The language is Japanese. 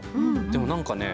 でも何かね